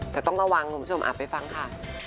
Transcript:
แต่ต้องระวังหนุ่มชมอับไปฟังค่ะ